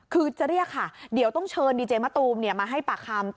คือจะเรียกค่ะเดี๋ยวต้องเชิญดีเจมะตูมมาให้ปากคำ